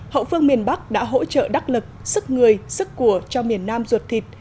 hậu phương miền bắc đã hỗ trợ đắc lực sức người sức của cho miền nam ruột thịt